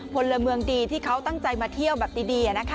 พลเมืองดีที่เขาตั้งใจมาเที่ยวแบบดี